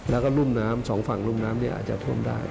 แล้วก็รุ่มน้ำสองฝั่งรุ่มน้ำอาจจะท่วมได้